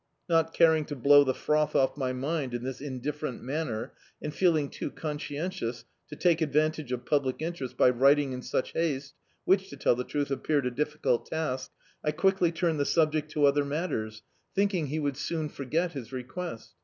Not caring to blow the froth off my mind in this indifferent manner, and feeling too ccmscientious to take ad vantage of public interest by writing in such haste, which, to tell the truth, appeared a difficult task — ^I quickly tumed the subject to other matters, thinking he would soon forget his request.